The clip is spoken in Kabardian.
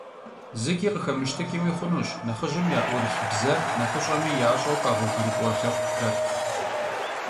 ЗыкӀи къыхэмыщтыкӀми хъунущ нэхъыжьым яӀурылъ бзэр нэхъыщӀэми ящӀэу къэгъуэгурыкӀуэ лъэпкъхэр.